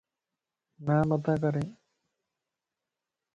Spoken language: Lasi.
نامتان ڪرين